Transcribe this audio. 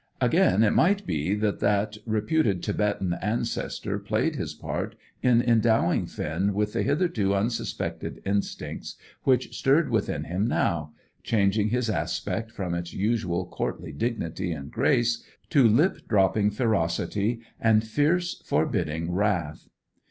Again, it might be that that reputed Thibetan ancestor played his part in endowing Finn with the hitherto unsuspected instincts which stirred within him now, changing his aspect from its usual courtly dignity and grace to lip dropping ferocity, and fierce, forbidding wrath.